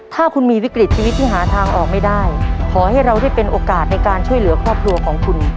ถ้าคุณมีวิกฤตชีวิตที่หาทางออกไม่ได้ขอให้เราได้เป็นโอกาสในการช่วยเหลือครอบครัวของคุณ